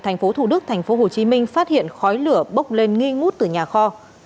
thành phố thủ đức thành phố hồ chí minh phát hiện khói lửa bốc lên nghi ngút từ nhà kho